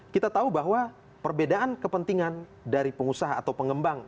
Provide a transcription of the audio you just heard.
kita tahu bahwa perbedaan kepentingan dari pengusaha atau pengembang